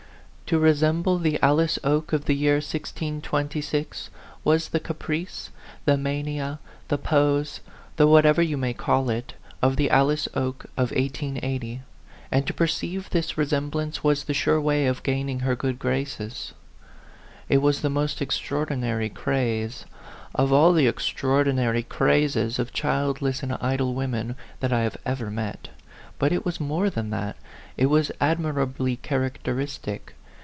To re semble the Alice Oke of the year 1626 was the caprice, the mania, the pose, the whatever you may call it, of the Alice Oke of 1880 ; and to perceive this resemblance was the sure way of gaining her good graces. It was the most extraordinary craze, of all the extraor dinary crazes of childless and idle women, that I had ever met; but it was more than that, it was admirably characteristic.